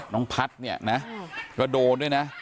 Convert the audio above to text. น้องพัฒน์เนี่ยนะก็โดนด้วยนะ